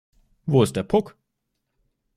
Wo ist der Puck?